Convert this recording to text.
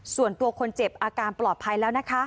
ส่วนตัวคนเจ็บอาการปลอดภัยแล้วนะคะ